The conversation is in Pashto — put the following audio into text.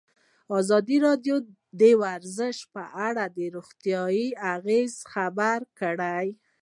ازادي راډیو د ورزش په اړه د روغتیایي اغېزو خبره کړې.